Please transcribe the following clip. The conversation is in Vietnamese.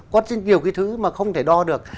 có nhiều cái thứ mà không thể đo được